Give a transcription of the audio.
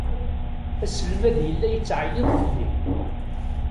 Aselmad yella yettɛeyyiḍ fell-i.